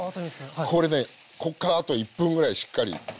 これねこっからあと１分ぐらいしっかり。